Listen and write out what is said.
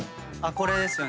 これですよね。